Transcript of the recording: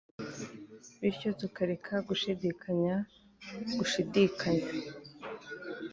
bityo tukareka gushidikanya ku gushidikanya